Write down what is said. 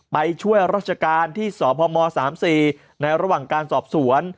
ไปช่วยราชการที่สพม๓๔ในระหว่างการสอบสวน